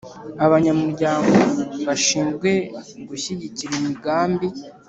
Abanyamuryango bashinzwe gushyigikira imigambi.